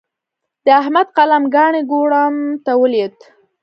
د احمد قلم کاڼی کوړم ته ولوېد.